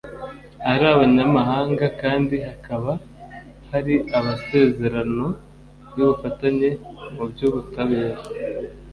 ari abanyamahanga kandi hakaba hari amasezerano y’ubufatanye mu by’ubutabera